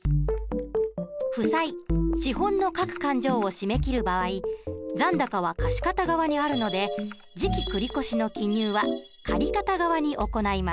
負債資本の各勘定を締め切る場合残高は貸方側にあるので次期繰越の記入は借方側に行います。